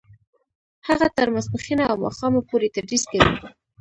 هغه تر ماسپښینه او ماښامه پورې تدریس کوي